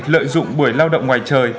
lợi dụng buổi lao động ngoài trời